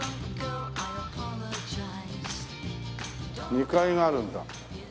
２階があるんだ。